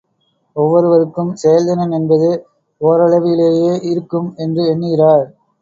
ஒவ்வொருவர்க்கும் செயல்திறன் என்பது ஓரளவிலேயே இருக்கும் என்றும் எண்ணுகிறார்.